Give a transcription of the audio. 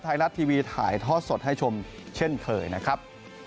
ไทยรัฐทีวีถ่ายทอดสดให้ชมเช่นเคยนะครับ